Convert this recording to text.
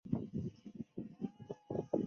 问题是如何得知这两种介子的存在。